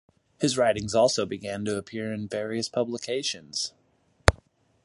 His writings also began to appear in various publications.